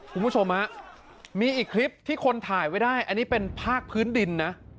คุณผู้ชมฮะมีอีกคลิปที่คนถ่ายไว้ได้อันนี้เป็นภาคพื้นดินนะ